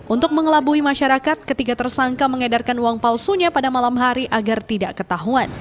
untuk mengelabui masyarakat ketiga tersangka mengedarkan uang palsunya pada malam hari agar tidak ketahuan